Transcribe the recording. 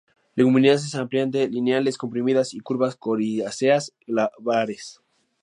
Leguminosas ampliamente lineales comprimidas y curvas, coriáceas, glabras.